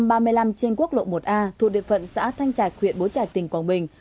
tại km sáu trăm ba mươi năm trên quốc lộ một a thuộc địa phận xã thanh trải huyện bố trải tỉnh quảng bình